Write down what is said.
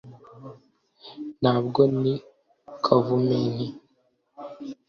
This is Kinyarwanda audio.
nabwo ni kavumenti :